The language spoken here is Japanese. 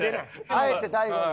あえて大悟に。